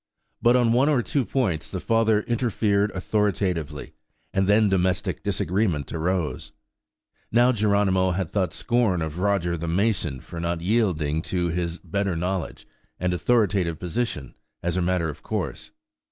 But on one or two points the father interfered authoritatively, and then domestic disagreement arose. Now Geronimo had thought scorn of Roger the mason for not yielding to his better knowledge and authoritative position, as a matter of course.